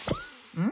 うん。